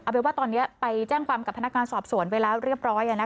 เป็นว่าตอนนี้ไปแจ้งความกับพนักงานสอบสวนไปแล้วเรียบร้อย